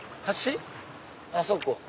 あそこ。